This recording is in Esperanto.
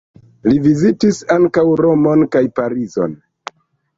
Li vizitis ankaŭ Romon kaj Parizon.